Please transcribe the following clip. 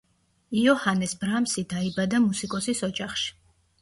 იოჰანეს ბრამსი დაიბადა მუსიკოსის ოჯახში.